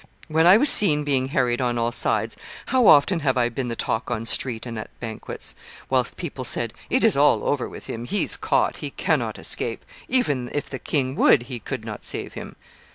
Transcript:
When I was seen being harried on all sides, how often have I been the talk on street and at banquets, whilst people said, 'It is all over with him; he is caught, he cannot escape; even if the king would, he could not save him.